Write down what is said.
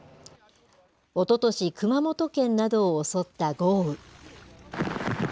おととし、熊本県などを襲った豪雨。